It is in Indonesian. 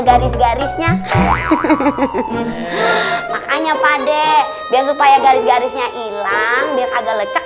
garis garisnya makanya pade biar supaya garis garisnya hilang biar agak lecek